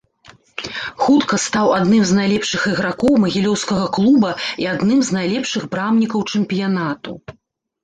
Хутка стаў адным з найлепшых ігракоў магілёўскага клуба і адным з найлепшых брамнікаў чэмпіянату.